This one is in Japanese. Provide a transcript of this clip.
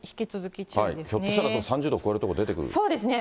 ひょっとしたら３０度を超えそうですね。